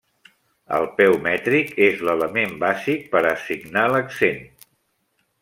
El peu mètric és l'element bàsic per a assignar l'accent.